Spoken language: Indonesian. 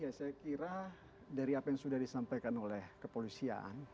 ya saya kira dari apa yang sudah disampaikan oleh kepolisian